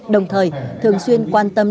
đồng thời thường xuyên quan tâm